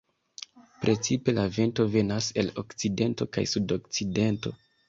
Precipe la vento venas el okcidento kaj sudokcidento.